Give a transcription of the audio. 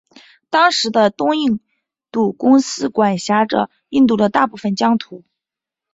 当时的东印度公司管辖着印度的大部分疆土。